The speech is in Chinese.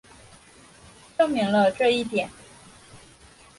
证明了这一点。